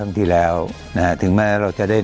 ที่แล้วนะฮะถึงแม้เราจะได้